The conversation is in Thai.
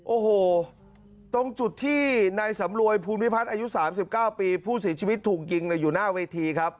โอ้โหตรงจุดที่นายสำรวยภูมิพัฒน์อายุ๓๙ปีผู้เสียชีวิตถูกยิงอยู่หน้าเวทีครับ